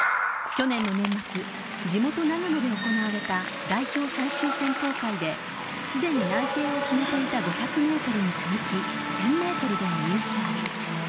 去年の年末、地元、長野で行われた代表最終選考会で、すでに内定を決めていた５００メートルに続き、１０００メートルでも優勝。